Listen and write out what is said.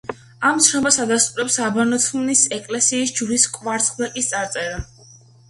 ამ ცნობას ადასტურებს აბასთუმნის ეკლესიის ჯვრის კვარცხლბეკის წარწერა.